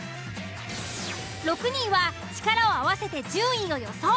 ６人は力を合わせて順位を予想。